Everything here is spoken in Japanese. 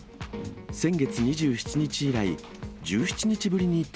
先月２７日以来、１７日ぶりに登